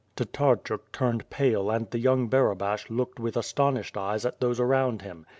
Tatarchuk turned pale and the young Barabash looked with astonished eyes at those around him.